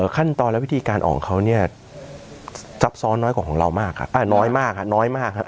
ขั้นตอนและพิธีการออกเขาเนี่ยจับซ้อน้อยมากครับเอ้าน้อยมากครับ